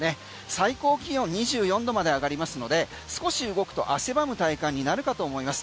最高気温２４度まで上がりますので少し動くと汗ばむ体感になるかと思います。